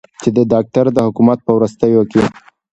چې د داکتر د حکومت په وروستیو کې